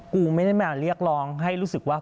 กูไม่ได้มาเรียกร้องให้รู้สึกว่า